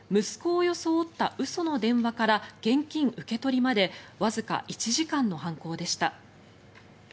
息子を装った嘘の電話から現金受け取りまでわずか１時間の犯行でした。